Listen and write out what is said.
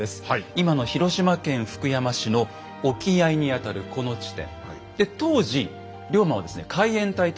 今の広島県福山市の沖合にあたるこの地点。